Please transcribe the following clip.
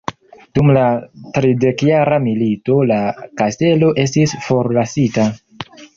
Dum la tridekjara milito la kastelo estis forlasita.